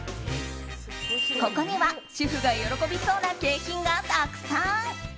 ここには主婦が喜びそうな景品がたくさん。